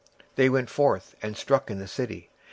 And they went forth, and slew in the city.